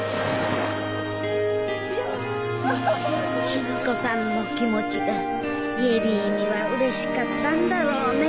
静子さんの気持ちが恵里にはうれしかったんだろうね。